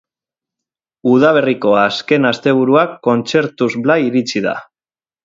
Udaberriko azken asteburua kontzertuz blai iritsi da.